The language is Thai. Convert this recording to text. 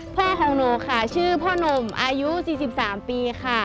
พ่อของหนูค่ะชื่อพ่อนุ่มอายุ๔๓ปีค่ะ